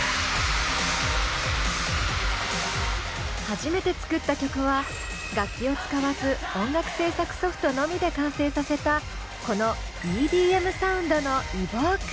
初めて作った曲は楽器を使わず音楽制作ソフトのみで完成させたこのＥＤＭサウンドの「Ｅｖｏｋｅ」。